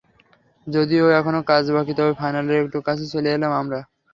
যদিও এখনো কাজ বাকি, তবে ফাইনালের একটু কাছে চলে গেলাম আমরা।